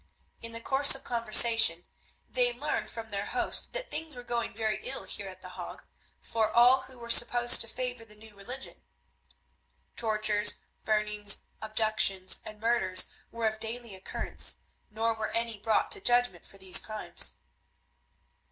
In the course of conversation they learned from their host that things were going very ill here at The Hague for all who were supposed to favour the New Religion. Tortures, burnings, abductions, and murders were of daily occurrence, nor were any brought to judgment for these crimes.